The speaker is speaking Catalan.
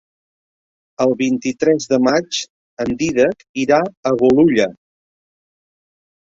El vint-i-tres de maig en Dídac irà a Bolulla.